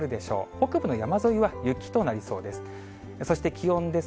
北部の山沿いは雪となりそうです。